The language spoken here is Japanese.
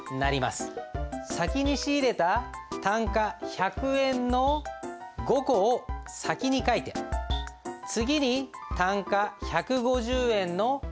先に仕入れた単価１００円の５個を先に書いて次に単価１５０円の３個を書きます。